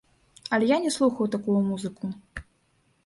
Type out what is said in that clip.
Але я не слухаю такую музыку.